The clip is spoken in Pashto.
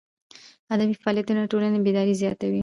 ادبي فعالیتونه د ټولني بیداري زیاتوي.